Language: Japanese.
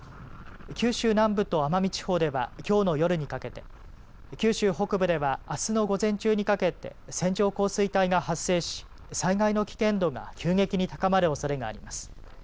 九州南部と奄美地方ではきょうの夜にかけて九州北部ではあすの午前中にかけて線状降水帯が発生し災害の危険度が急激に高まるおそれがあります。